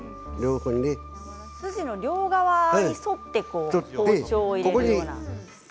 筋の両側に沿って包丁を入れるような。